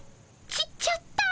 ちっちゃった？